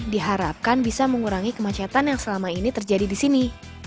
diharapkan bisa mengurangi kemacetan yang selama ini terjadi di sini